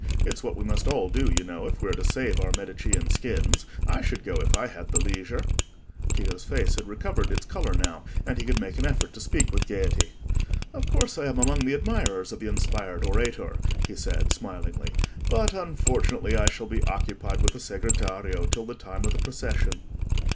It's what we must all do, you know, if we are to save our Medicean skins. I should go if I had the leisure." Tito's face had recovered its colour now, and he could make an effort to speak with gaiety. "Of course I am among the admirers of the inspired orator," he said, smilingly; "but, unfortunately, I shall be occupied with the Segretario till the time of the procession."